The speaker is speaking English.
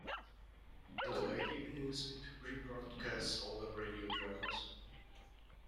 In the late evenings it re-broadcasts older radio dramas.